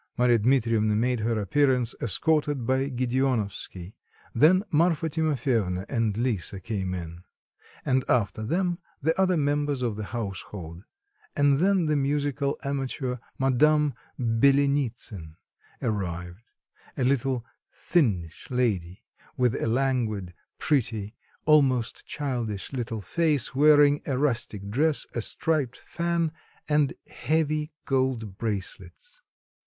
Marya Dmitrievna made her appearance escorted by Gedeonovsky, then Marfa Timofyevna and Lisa came in; and after them the other members of the household; and then the musical amateur, Madame Byelenitsin, arrived, a little thinnish lady, with a languid, pretty, almost childish little face, wearing a rusting dress, a striped fan, and heavy gold bracelets.